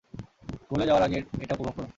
গলে যাওয়ার আগে এটা উপভোগ করুন।